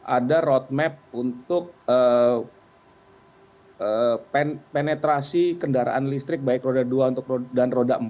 ada roadmap untuk penetrasi kendaraan listrik baik roda dua dan roda empat